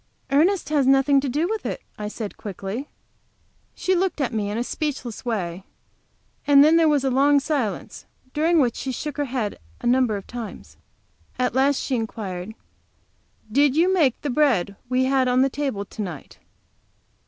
"Ernest has nothing to do with it," I said, quickly. She looked at me in a speechless way, and then there was a long silence, during which she shook her head a number of times. At last she inquired: "Did you make the bread we had on the table to night?"